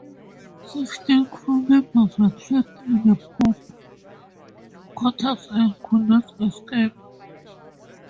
Sixteen crewmembers were trapped in the poop quarters and could not escape.